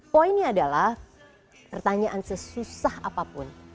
poinnya adalah pertanyaan sesusah apapun